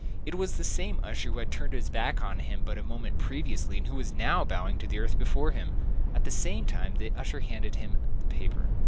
It was the same usher who had turned his back upon him but a moment previously, and who was now bowing to the earth before him. At the same time, the usher handed him the paper.